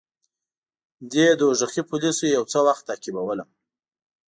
دې دوږخي پولیسو یو څه وخت تعقیبولم.